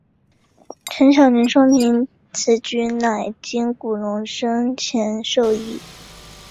陈晓林说明此举乃经古龙生前授意。